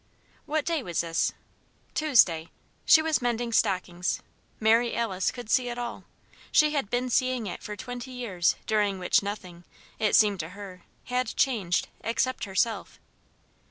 What day was this? Tuesday! She was mending stockings. Mary Alice could see it all. She had been seeing it for twenty years during which nothing it seemed to her had changed, except herself.